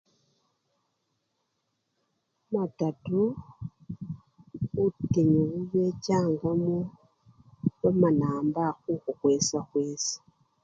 Mumatatu butinyu bubechangamo, bamanaamba khukhu-khwesakhwesa.